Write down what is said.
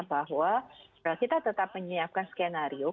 bahwa kita tetap menyiapkan skenario